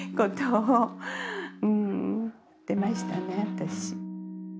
私。